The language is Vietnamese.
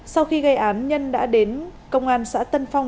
sau khi gây án nhân đã đến công an xã tân phong